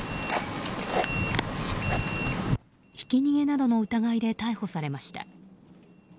ひき逃げなどの疑いで逮捕されました。